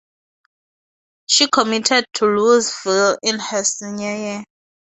She committed to Louisville in her senior year.